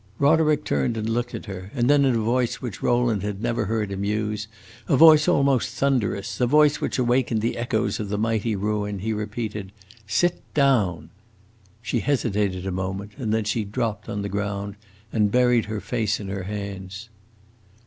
Roderick turned and looked at her, and then in a voice which Rowland had never heard him use, a voice almost thunderous, a voice which awakened the echoes of the mighty ruin, he repeated, "Sit down!" She hesitated a moment and then she dropped on the ground and buried her face in her hands.